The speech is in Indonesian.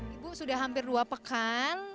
ibu sudah hampir dua pekan